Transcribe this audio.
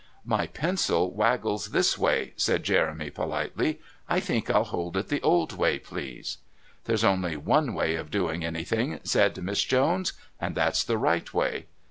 "My pencil waggles this way," said Jeremy politely. "I think I'll hold it the old way, please." "There's only one way of doing anything," said Miss Jones, "and that's the right way."